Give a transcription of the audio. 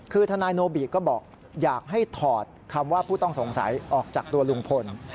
คือทนายโนบิก็บอกอยากให้ถอดคำว่าผู้ต้องสงสัยออกจากตัวลุงพล